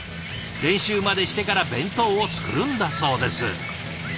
練習までしてから弁当を作るんだそうです。